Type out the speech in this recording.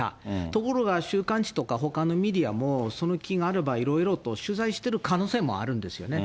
ところが週刊誌とか、ほかのメディアもその気があれば、いろいろと取材してる可能性もあるんですよね。